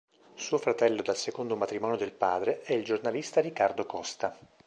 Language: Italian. Suo fratello dal secondo matrimonio del padre è il giornalista Ricardo Costa.